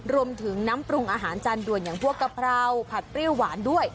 รวมถึงน้ำปรุงอาหารจานด่วนอย่างพวกกะเพราผัดเปรี้ยวหวานด้วย